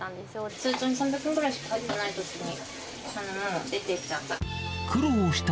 通帳に３００円ぐらいしか入っていないときに、出てきちゃった。